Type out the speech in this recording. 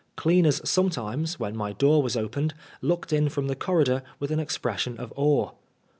Cleaners sometimes, when my door was opened, looked in from the corridor with an expression of awe.